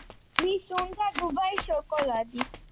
ვის უნდა დუბაის შოკოლადი